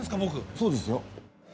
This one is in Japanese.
そうですよ。